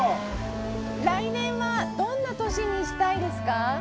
来年はどんな年にしたいですか？